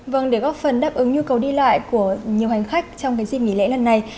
vâng để góp phần đáp ứng nhu cầu đi lại của nhiều hành khách trong cái dịp nghỉ lễ lần này